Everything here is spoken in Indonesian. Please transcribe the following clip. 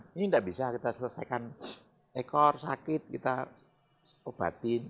ini tidak bisa kita selesaikan ekor sakit kita obatin